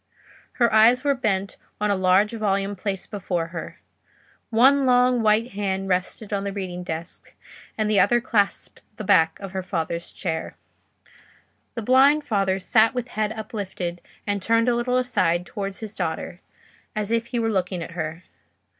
Her eyes were bent on a large volume placed before her: one long white hand rested on the reading desk, and the other clasped the back of her father's chair. The blind father sat with head uplifted and turned a little aside towards his daughter, as if he were looking at her.